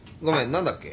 何だっけ？